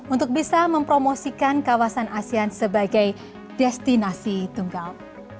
untuk bisa mempromosikan kawasan asean sebagai destinasi tunggal